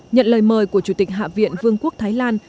nhận lời mời của chủ tịch hạ viện vương quốc thái lan